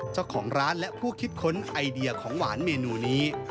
เจ้าของร้านและผู้คิดค้นไอเดียของหวานเมนูนี้